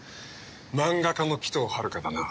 マンガ家の鬼頭はるかだな。